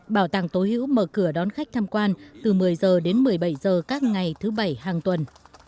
bảo tàng tố hữu mở cửa đón khách tham quan từ một mươi h đến một mươi bảy h các ngày thứ bảy hàng tuần